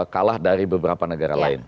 kalah dari beberapa negara lain